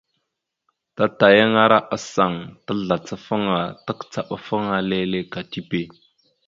Tatayaŋara asaŋ tazlacafaŋa takəcaɗafaŋa leele ka tipe.